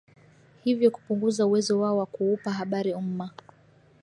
hivyo kupunguza uwezo wao wa kuupa habari umma